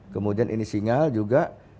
kemudian ini singal juga